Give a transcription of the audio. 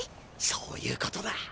そういうことだ。